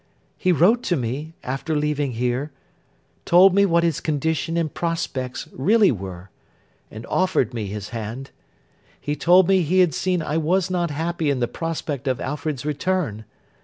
He wrote to me, after leaving here; told me what his condition and prospects really were; and offered me his hand. He told me he had seen I was not happy in the prospect of Alfred's return.